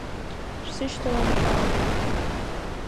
Шәсышьҭалан шәааила!